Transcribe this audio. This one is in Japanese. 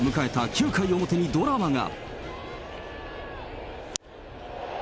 ９回表にドラマが。